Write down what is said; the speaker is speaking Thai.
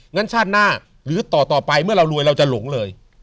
งั้นชาติหน้าหรือต่อไปเมื่อเรารวยเราจะหลงเลย